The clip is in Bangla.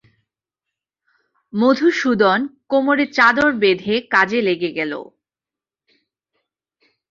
মধুসূদন কোমরে চাদর বেঁধে কাজে লেগে গেল।